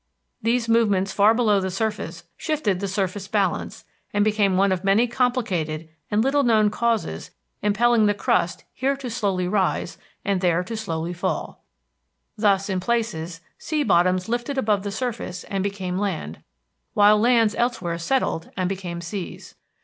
These movements far below the surface shifted the surface balance and became one of many complicated and little known causes impelling the crust here to slowly rise and there to slowly fall. Thus in places sea bottoms lifted above the surface and became land, while lands elsewhere settled and became seas.